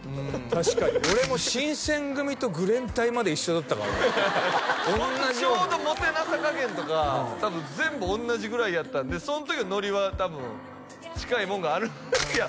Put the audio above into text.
確かに俺もＳＨＩＮＳＥＮＧＵＭＩと愚連隊まで一緒だったからホントにちょうどモテなさ加減とか多分全部同じぐらいやったんでその時のノリは多分近いもんがあるいや